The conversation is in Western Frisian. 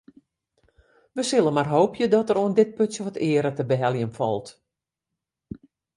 We sille mar hoopje dat der oan dit putsje wat eare te beheljen falt.